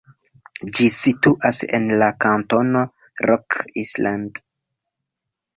Ĝi situas en la kantono Rock Island.